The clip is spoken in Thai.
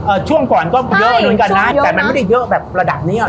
ช่วงก่อนก็เยอะเหมือนกันนะแต่มันไม่ได้เยอะแบบระดับนี้หรอ